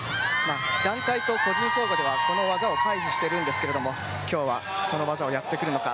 団体と個人総合では、この技を回避しているんですけれども今日は、その技をやってくるのか